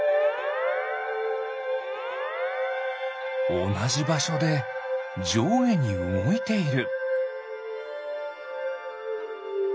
おなじばしょでじょうげにうごいている。